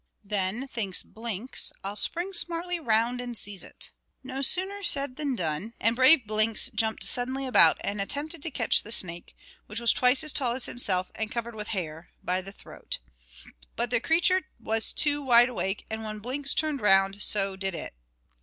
"Then," thinks Blinks, "I'll spring smartly round and seize it." No sooner said than done; and brave Blinks jumped suddenly about and attempted to catch the snake which was twice as tall as himself and covered with hair by the throat. But the creature was too wide awake, and when Blinks turned round, so did it.